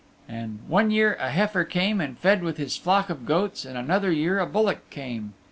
And one year a heifer came and fed with his flock of goats and another year a bullock came.